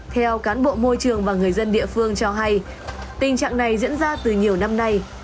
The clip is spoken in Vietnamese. theo cán bộ môi trường và người dân địa phương cho hay tình trạng này diễn ra từ nhiều năm nay